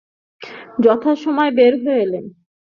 যথা সময়ে বের হয়ে এলেন।